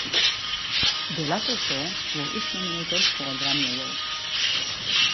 The latter four were each nominated for a Grammy Award.